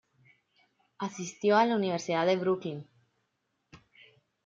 Asistió a la universidad de Brooklyn.